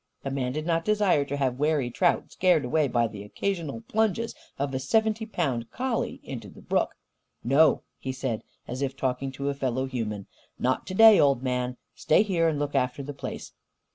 The man did not desire to have wary trout scared away by the occasional plunges of a seventy pound collie into the brook. "No," he said, as if talking to a fellow human. "Not to day, old man! Stay here and look after the place."